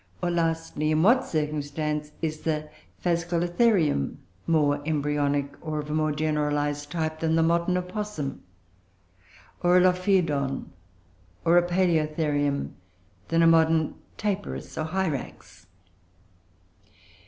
Or lastly, in what circumstance is the Phascolotherium more embryonic, or of a more generalised type, than the modern Opossum; or a Lophiodon, or a Paloeotherium, than a modern Tapirus or Hyrax?